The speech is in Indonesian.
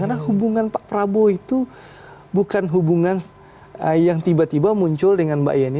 karena hubungan pak prabowo itu bukan hubungan yang tiba tiba muncul dengan mbak ieni